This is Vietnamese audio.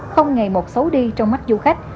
không nghề một xấu đi trong mắt du khách